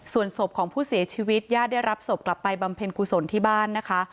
ส่วนศพของผู้เสียชีวิตญาติได้รับศพกลับไปบำเพ็ญกุศลที่บ้านนะคะ